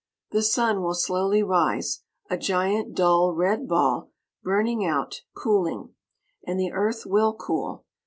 The sun will slowly rise a giant dull red ball, burning out, cooling. And the Earth will cool.